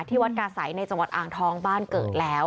วัดกาศัยในจังหวัดอ่างทองบ้านเกิดแล้ว